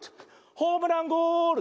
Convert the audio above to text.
ホームランゴール！